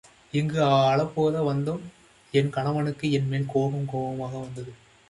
இங்கு அலெப்போ வந்ததும், என் கணவனுக்கு என் மேல் கோபம் கோபமாக வந்தது.